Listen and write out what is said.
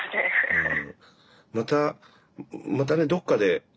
うん。